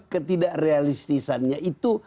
ketidak realistisannya itu